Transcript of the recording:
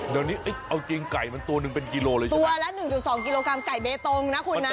เดี๋ยวนี้เอาจริงไก่มันตัวหนึ่งเป็นกิโลเลยใช่ไหมตัวละหนึ่งจุดสองกิโลกรัมไก่เบตตงนะคุณนะ